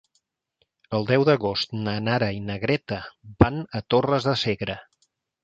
El deu d'agost na Nara i na Greta van a Torres de Segre.